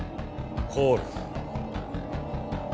コール。